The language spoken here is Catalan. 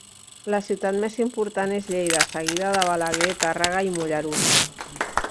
La ciutat més important és Lleida, seguida de Balaguer, Tàrrega i Mollerussa.